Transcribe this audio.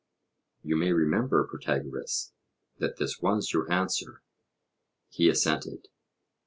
(You may remember, Protagoras, that this was your answer.) He assented.